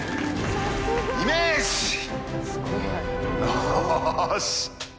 よし。